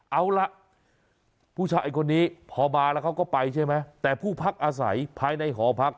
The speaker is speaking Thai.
เอาล่ะผู้ชายคนนี้พอมาแล้วเขาก็ไปใช่ไหมแต่ผู้พักอาศัยภายในหอพัก